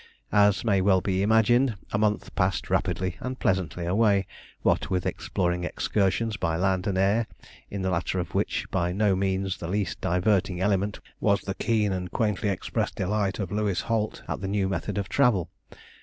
As may well be imagined, a month passed rapidly and pleasantly away, what with exploring excursions by land and air, in the latter of which by no means the least diverting element was the keen and quaintly expressed delight of Louis Holt at the new method of travel.